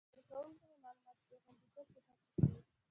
د کاروونکو د معلوماتو د خوندیتوب په هڅو کې یې